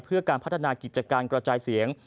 เพื่อการพัฒนากิจการกระจายเสียง